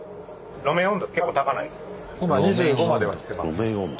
路面温度。